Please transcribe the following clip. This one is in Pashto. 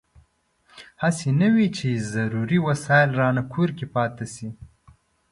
هسې نه وي چې ضروري وسایل رانه کور کې پاتې شي.